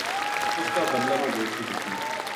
اس کا بدلہ ما بیٹکی دِتی